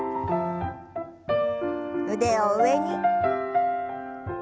腕を上に。